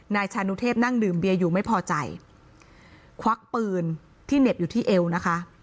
นายชานุเทพนั่งดื่มเบียร์อยู่ไม่พอใจควักปืนที่เหน็บอยู่ที่เอวนะคะ